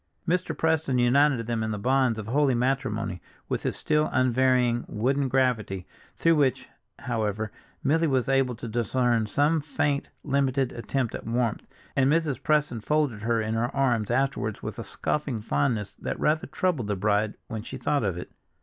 Mr. Preston united them in the bonds of holy matrimony with his still unvarying wooden gravity, through which, however, Milly was able to discern some faint, limited attempt at warmth, and Mrs. Preston folded her in her arms afterwards with a scoffing fondness that rather troubled the bride when she thought of it.